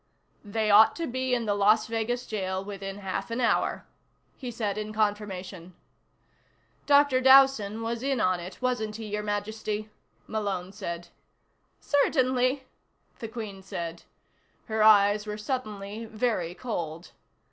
"They ought to be in the Las Vegas jail within half an hour," he said in confirmation. "Dr. Dowson was in on it, wasn't he, Your Majesty?" Malone said. "Certainly," the Queen said. Her eyes were suddenly very cold.